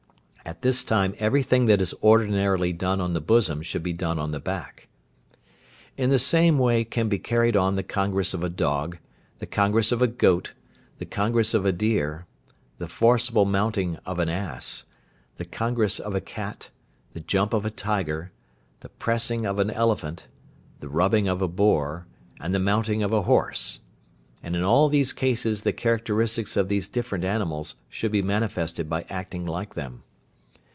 At this time everything that is ordinarily done on the bosom should be done on the back. In the same way can be carried on the congress of a dog, the congress of a goat, the congress of a deer, the forcible mounting of an ass, the congress of a cat, the jump of a tiger, the pressing of an elephant, the rubbing of a boar, and the mounting of a horse. And in all these cases the characteristics of these different animals should be manifested by acting like them.